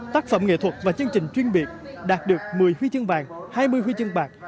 tác phẩm nghệ thuật và chương trình chuyên biệt đạt được một mươi huy chương vàng hai mươi huy chương bạc